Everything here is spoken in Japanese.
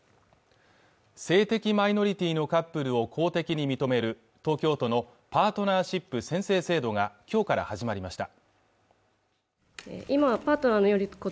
性的マイノリティーのカップルを公的に認める東京都のパートナーシップ宣誓制度がきょうから始まりました